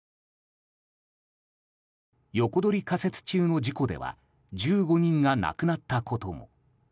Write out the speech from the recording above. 横取り架設中の事故では１５人が亡くなったことも。